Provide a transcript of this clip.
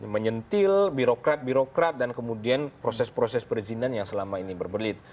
menyentil birokrat birokrat dan kemudian proses proses perizinan yang selama ini berbelit